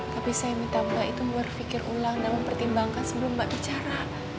tapi saya minta mbak itu berpikir ulang dan mempertimbangkan sebelum mbak bicara